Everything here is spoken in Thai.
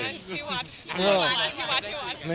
ที่วัดที่วัด